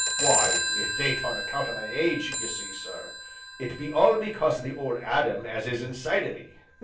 "Why, it ain't on account o' my age, ye see sir, it be all because o' the Old Adam as is inside o' me.